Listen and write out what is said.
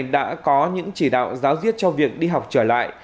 đã có những chỉ đạo giáo diết cho việc đi học trở lại